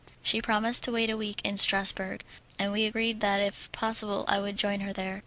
She promised to wait a week in Strassburg, and we agreed that if possible I would join her there.